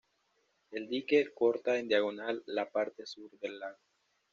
El dique corta en diagonal la parte sur del lago.